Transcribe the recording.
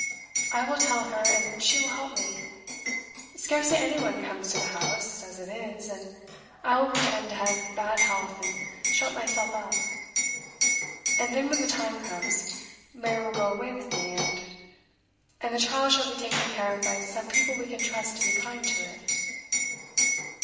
I will tell her, and she will help me. Scarcely any one comes to the house, as it is; and I will pretend to have bad health, and shut myself up. And then, when the time comes, Mary will go away with me, and and the child shall be taken care of by some people we can trust to be kind to it.